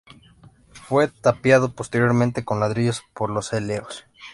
Fue tapiado posteriormente con ladrillos por los eleos.